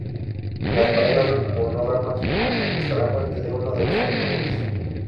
Las parejas son monógamas, hasta la muerte de uno de los componentes.